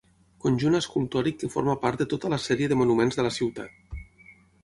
Conjunt escultòric que forma part de tota la sèrie de monuments de la ciutat.